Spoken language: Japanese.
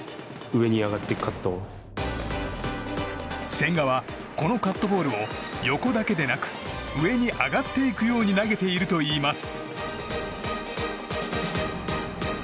千賀は、このカットボールを横だけでなく上に上がっていくように投げているといいます。